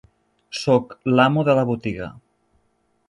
Soc l'amo de la botiga.